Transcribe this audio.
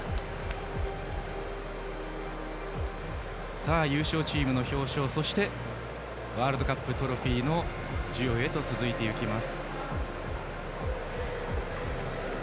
さあ、優勝チームの表彰そしてワールドカップトロフィーの授与へと続いていきます。